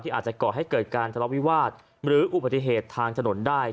อาจจะก่อให้เกิดการทะเลาวิวาสหรืออุบัติเหตุทางถนนได้